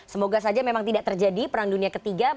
semoga saja memang tidak terjadi perang dunia ketiga